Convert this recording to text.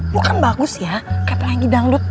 lo kan bagus ya kayak pelangi dangdut